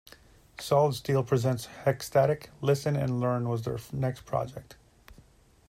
Solid Steel Presents Hexstatic - Listen and Learn was their next project.